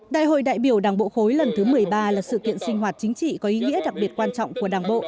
đại hội đại biểu đảng bộ khối lần thứ một mươi ba là sự kiện sinh hoạt chính trị có ý nghĩa đặc biệt quan trọng của đảng bộ